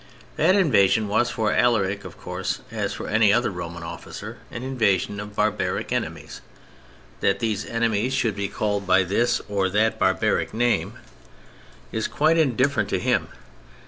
That invasion was for Alaric, of course, as for any other Roman officer, an invasion of barbaric enemies. That these enemies should be called by this or that barbaric name is quite indifferent to him.